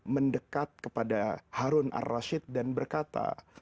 mendekat kepada harun ar rashid dan berkata